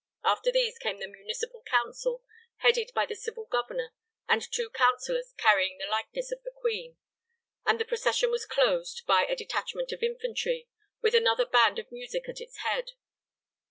After these came the municipal council headed by the civil governor and two councillors carrying the likeness of the Queen, and the procession was closed by a detachment of infantry with another band of music at its head.